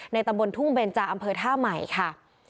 ตำบลทุ่งเบนจาอำเภอท่าใหม่ค่ะ